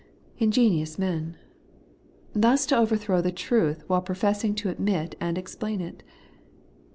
Ingenious men ! Thus to overthrow the truth, while professing to admit and explain it